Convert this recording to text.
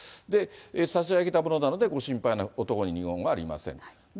差し上げたものなのでご心配なく、男に二言はありませんので。